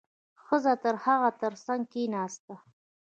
ښځه د هغه تر څنګ کېناسته.